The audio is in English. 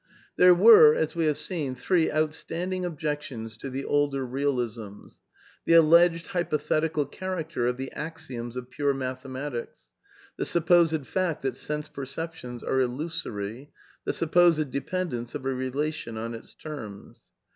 ^ There were, as we have seen, three outstanding objec tions to the older Bealisms : the alleged hypothetical char acter of the axioms of pure mathematics ; the supposed fact that sense perceptions are illusory; the supposed depend 'ence of a relation on its terms.